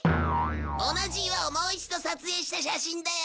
同じ岩をもう一度撮影した写真だよ。